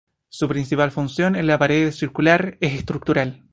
Su principal función en la pared celular, es estructural.